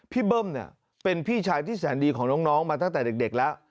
เบิ้มเป็นพี่ชายที่แสนดีของน้องมาตั้งแต่เด็กแล้ว